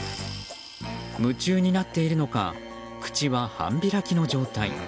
夢中になっているのか口は半開きの状態。